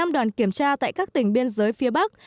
năm đoàn kiểm tra tại các tỉnh biên giới phía bắc